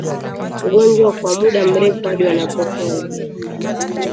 ugonjwa kwa muda mrefu hadi wanapopona